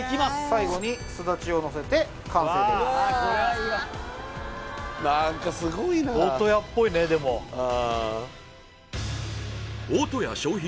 最後にすだちをのせて完成ですなんかすごいな大戸屋っぽいねでも大戸屋商品